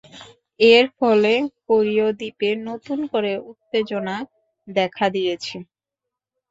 এর ফলে কোরীয় দ্বীপে নতুন করে উত্তেজনা দেখা দিয়েছে।